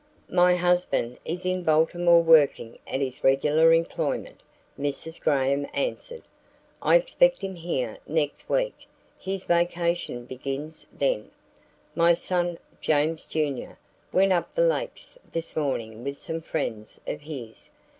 "My husband is in Baltimore working at his regular employment," Mrs. Graham answered. "I expect him here next week; his vacation begins then. My son, James, Jr., went up the lakes this morning with some friends of his.